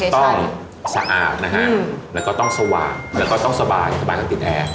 สะอาดนะฮะแล้วก็ต้องสว่างแล้วก็ต้องสบายสบายต้องติดแอร์